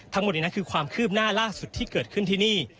ทั้งหมดนี้นั้นคือความคืบหน้าล่าสุดที่เกิดขึ้นที่นี่